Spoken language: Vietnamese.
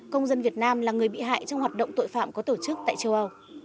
công dân việt nam là người bị hại trong hoạt động tội phạm có tổ chức tại châu âu